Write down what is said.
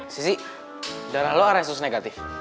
sissy darah lo resus negatif